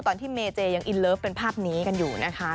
ตอนที่เมเจยังอินเลิฟเป็นภาพนี้กันอยู่นะคะ